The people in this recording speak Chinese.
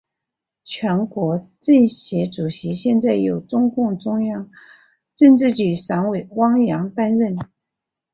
全国政协主席现在由中共中央政治局常委汪洋担任。